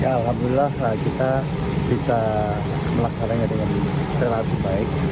ya alhamdulillah kita bisa melaksananya dengan terlalu baik